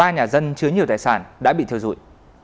ba nhà dân chứa nhiều tài sản đã bị thưa rụi